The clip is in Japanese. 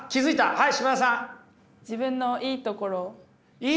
はい嶋田さん！